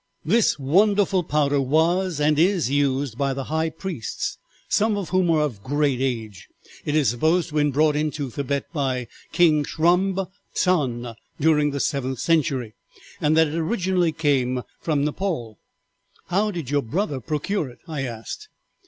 "'The wonderful powder was and is used by the high priests, some of whom are of great age. It is supposed to have been brought into Thibet by King Srongb Tsan, during the seventh century, and that it originally came from Nepaul.' "'How did your brother procure it?' I asked.